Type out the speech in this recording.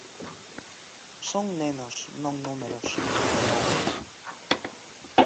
"Son nenos, non números", engade.